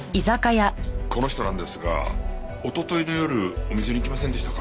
この人なんですがおとといの夜お店に来ませんでしたか？